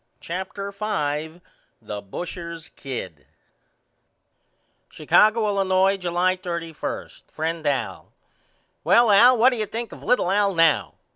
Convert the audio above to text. CHAPTER V The Busher's Kid Chicago, Illinois, July 31. FRIEND AL: Well Al what do you think of little Al now?